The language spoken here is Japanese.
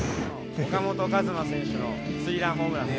岡本和真選手のスリーランホームランが。